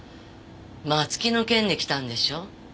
松木の件で来たんでしょ？